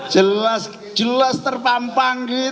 jelas jelas terpampang gitu